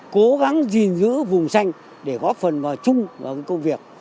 cố gắng gìn giữ vùng xanh để góp phần vào chung vào công việc